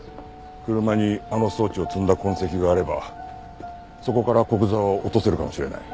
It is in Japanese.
車にあの装置を積んだ痕跡があればそこから古久沢を落とせるかもしれない。